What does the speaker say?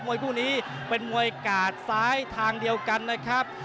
วยคู่นี้เป็นมวยกาดซ้ายทางเดียวกันนะครับ